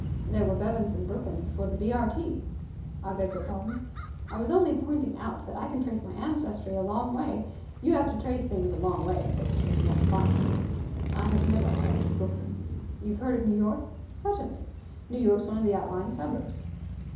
"There were Bevans in Brooklyn before the B.R.T." "I beg your pardon?" "I was only pointing out that I can trace my ancestry a long way. You have to trace things a long way in Brooklyn, if you want to find them." "I have never heard of Brooklyn." "You've heard of New York?" "Certainly." "New York's one of the outlying suburbs."